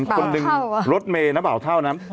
คนหนึ่งรถเมย์นะเบาเท่านั้น